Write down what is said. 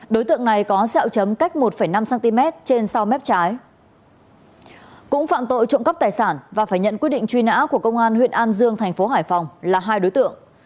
đối tượng này có xeo chấm cách một năm cm trên sau mép trái cũng phạm tội trộm cắp tài sản và phải nhận quyết định truy nã của công an huyện an dương thành phố hải phòng là hai đối tượng